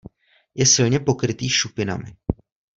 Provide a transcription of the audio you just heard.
Je silně pokrytý šupinami.